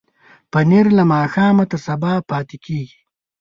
پنېر له ماښامه تر سبا پاتې کېږي.